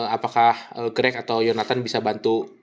apakah greg atau jonathan bisa bantu